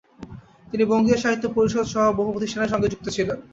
তিনি বঙ্গীয় সাহিত্য পরিষদ সহ বহু প্রতিষ্ঠানের সঙ্গে যুক্ত ছিলেন।